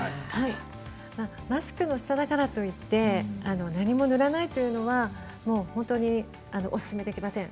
マスクの下だからといって何も塗らないというのはおすすめできません。